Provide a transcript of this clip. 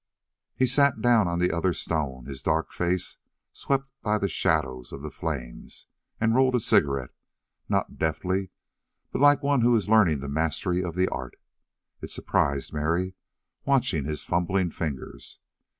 He sat down on the other stone, his dark face swept by the shadows of the flames, and rolled a cigarette, not deftly, but like one who is learning the mastery of the art. It surprised Mary, watching his fumbling fingers.